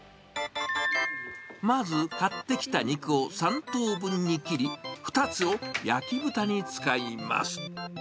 まず買ってきた肉を３等分に切り、２つを焼き豚に使います。